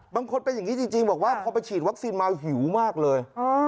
บางคนเป็นอย่างนี้จริงบอกว่าพอไปฉีดวัคซีนมาหิวมากเลย